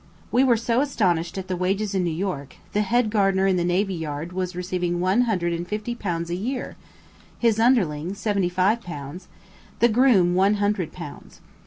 We were so astonished at the wages in New York; the head gardener in the Navy Yard was receiving one hundred and fifty pounds a year, his underling, seventy five pounds, the groom one hundred pounds.